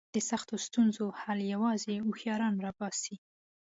د سختو ستونزو حل یوازې هوښیاران را باسي.